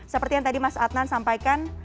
seperti yang tadi mas adnan sampaikan